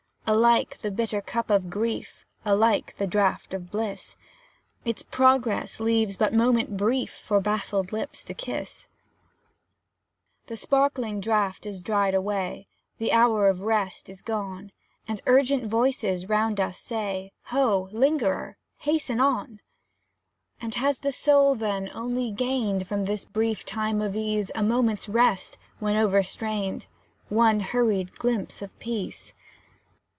Alike the bitter cup of grief, Alike the draught of bliss, Its progress leaves but moment brief For baffled lips to kiss The sparkling draught is dried away, The hour of rest is gone, And urgent voices, round us, say, "Ho, lingerer, hasten on!" And has the soul, then, only gained, From this brief time of ease, A moment's rest, when overstrained, One hurried glimpse of peace?